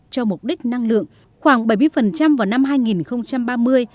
cho mục đích năng lượng khoảng bảy mươi vào năm hai nghìn ba mươi